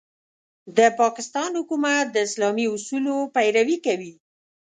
د پاکستان حکومت د اسلامي اصولو پيروي کوي.